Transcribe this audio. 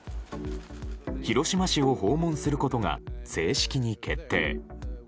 広島市を訪問することが正式に決定。